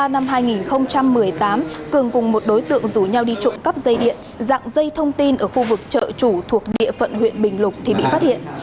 năm hai nghìn một mươi tám cường cùng một đối tượng rủ nhau đi trộm cắp dây điện dạng dây thông tin ở khu vực chợ chủ thuộc địa phận huyện bình lục thì bị phát hiện